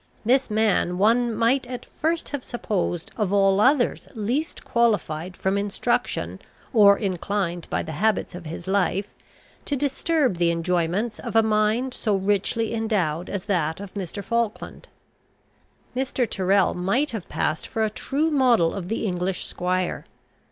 This man one might at first have supposed of all others least qualified from instruction, or inclined by the habits of his life, to disturb the enjoyments of a mind so richly endowed as that of Mr. Falkland. Mr. Tyrrel might have passed for a true model of the English squire.